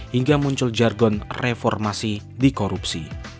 hingga muncul jargon reformasi di korupsi